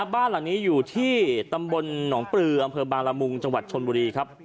บ้านหลังนี้อยู่ที่ตำบลหนองปลืออำเภอบางละมุงจังหวัดชนบุรีครับ